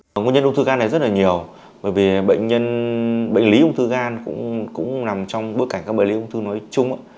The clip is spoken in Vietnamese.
nguyên nhân ung thư gan này rất là nhiều bởi vì bệnh lý ung thư gan cũng nằm trong bước cảnh các bệnh lý ung thư nói chung